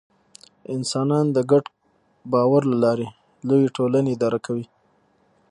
انسانان د ګډ باور له لارې لویې ټولنې اداره کوي.